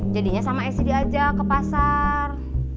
jadinya sama esy diajak ke pasar